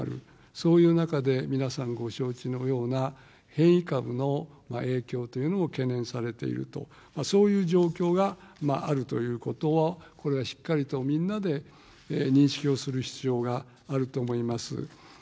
そういう中で、皆さんご承知のような変異株の影響というのも懸念されていると、そういう状況があるということ、これはしっかりとみんなで認識をする必要があると思います。